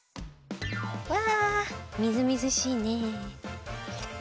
うわみずみずしいね。